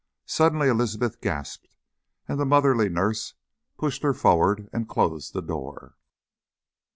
Suddenly Elizabeth gasped, and the motherly nurse pushed her forward and closed the door.